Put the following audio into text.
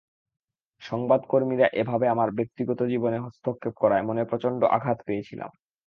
সংবাদকর্মীরা এভাবে আমার ব্যক্তিগত জীবনে হস্তক্ষেপ করায় মনে প্রচণ্ড আঘাত পেয়েছিলাম।